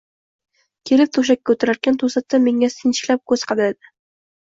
Kelib, to‘shakka o‘tirarkan, to‘satdan menga sinchiklanib ko‘z qadadi: